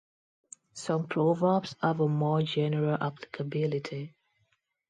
Some proverbs have a more general applicability.